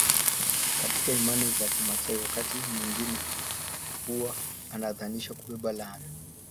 Katika imani za kimaasai wakati mwingine huwa anadhaniwa kubeba laana